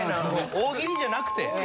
大喜利じゃなくて？